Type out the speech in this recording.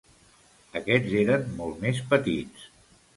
Aquests eren molt més petits.